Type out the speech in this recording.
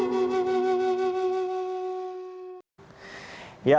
fia valen penyanyi dan penyanyi yang terkenal di dunia